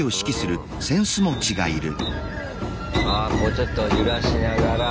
ちょっと揺らしながら。